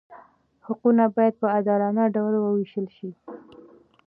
حقونه باید په عادلانه ډول وویشل شي.